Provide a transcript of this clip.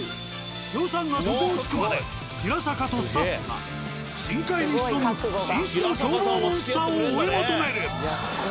予算が底をつくまで平坂とスタッフが深海に潜む新種の狂暴モンスターを追い求める！